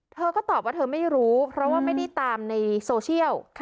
เธอก็ตอบว่าเธอไม่รู้เพราะว่าไม่ได้ตามในโซเชียล